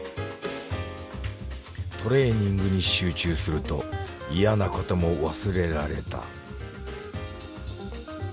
トレーニングに集中すると嫌なことも忘れられた。